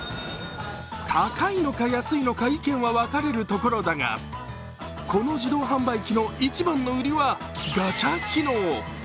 高いのか安いのか、意見は分かれるところだがこの自動販売機の一番の売りはガチャ機能。